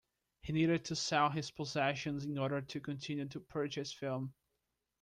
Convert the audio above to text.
He needed to sell his possessions in order to continue to purchase film.